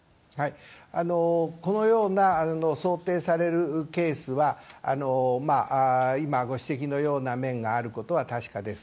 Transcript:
このような想定されるケースは、今、ご指摘のような面があることは確かです。